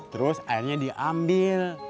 terus airnya diambil